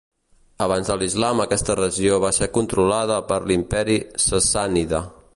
Abans de l'Islam aquesta regió va ser controlada per l'Imperi Sassànida.